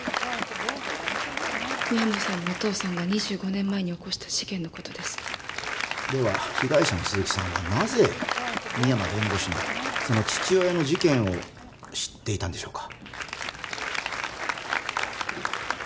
深山さんのお父さんが２５年前に起こした事件のことですでは被害者の鈴木さんはなぜ深山弁護士のその父親の事件を知っていたんでしょうか？